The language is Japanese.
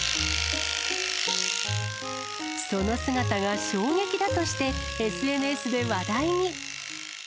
その姿が衝撃だとして、ＳＮＳで話題に。